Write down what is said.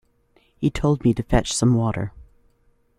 He told me to fetch some water.